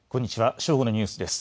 正午のニュースです。